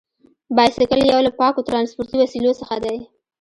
بایسکل یو له پاکو ترانسپورتي وسیلو څخه دی.